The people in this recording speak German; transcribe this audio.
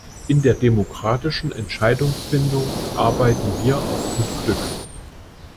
In der demokratischen Entscheidungsfindung arbeiten wir auf gut Glück.